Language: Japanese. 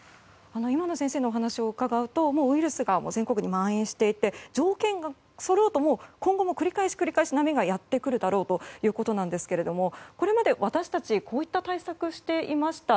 今の先生のお話だとウイルスがまん延していて条件がそろうともう今後も繰り返し波がやってくるだろうということなんですけれどもこれまで私たちこうした対策をしていました。